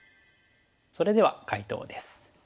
それでは解答です。